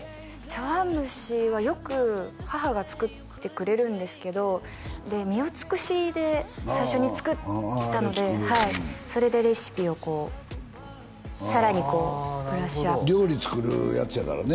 茶碗蒸しはよく母が作ってくれるんですけど「みをつくし」で最初に作ったのでそれでレシピをこうさらにこうブラッシュアップ料理作るやつやからね